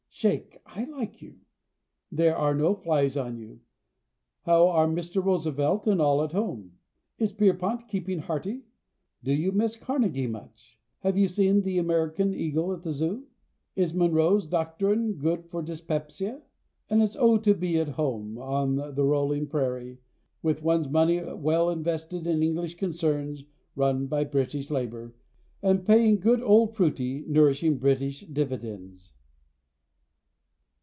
Shake! I like you, There are no flies on you. How are Mr. Roosevelt and all at home? Is Pierpont keeping hearty? Do you miss Carnegie much? Have you seen the Amur'can eagle at the Zoo? Is Monroe's docterin' Good for dyspepsia? And it's O to be at home On the rolling perarie, With one's money well invested in English concerns, Run by British labour, And paying good old, fruity, nourishing British dividends!